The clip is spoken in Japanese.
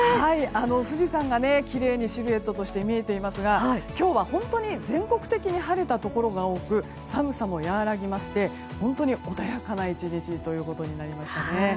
富士山がきれいにシルエットとして見えていますが今日は本当に全国的に晴れたところが多く寒さも和らぎまして、本当に穏やかな１日となりましたね。